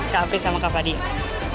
kak apri sama kak fadiyah